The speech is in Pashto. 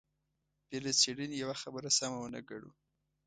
بې له څېړنې يوه خبره سمه ونه ګڼو.